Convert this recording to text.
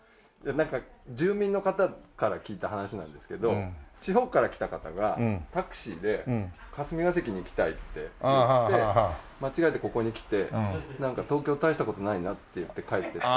なんか住民の方から聞いた話なんですけど地方から来た方がタクシーで霞ケ関に行きたいって言って間違えてここに来てなんか東京大した事ないなって言って帰っていった。